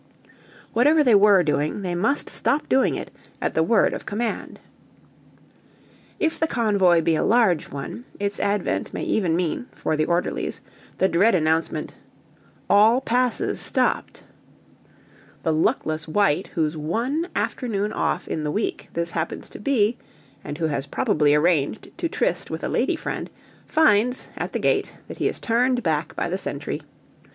Whatever they were doing, they must stop doing it at the word of command. If the convoy be a large one, its advent may even mean, for the orderlies, the dread announcement, "All passes stopped." The luckless wight whose one afternoon off in the week this happens to be, and who has probably arranged to tryst with a lady friend, finds, at the gate, that he is turned back by the sentry.